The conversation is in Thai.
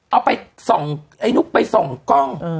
เอาไปส่องไอ้นุ๊กไปส่องกล้อง